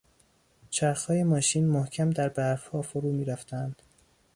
چرخهای ماشین محکم در برفها فرو میرفتند.